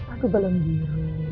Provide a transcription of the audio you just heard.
aduh balon biru